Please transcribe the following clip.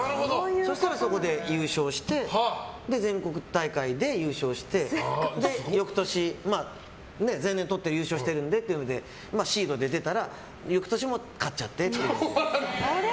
そしたらそこで優勝して全国大会で優勝して翌年、前年に優勝しているのでってことでシードで出たら翌年も勝っちゃってという。